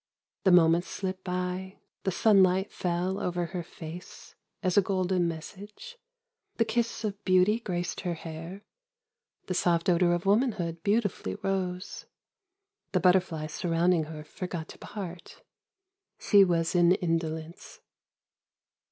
The moments slipped by : the sunlight fell Over her face, as a golden message ; The kiss of beauty graced her hair ; The soft odour of womanhood beautifully rose ; The butterflies surrounding her forgot to part : She was in indolence.